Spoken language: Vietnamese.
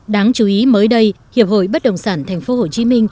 đáng chú ý mới đây hiệp hội bất đồng sản tp hcm